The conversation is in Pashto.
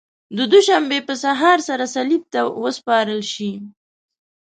د دوشنبې په سهار سره صلیب ته وسپارل شي.